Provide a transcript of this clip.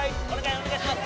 お願いします。